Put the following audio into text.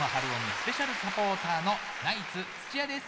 スペシャルサポーターのナイツ土屋です。